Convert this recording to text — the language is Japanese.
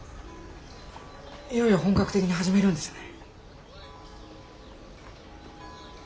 いよいよ本格的に始めるんですね。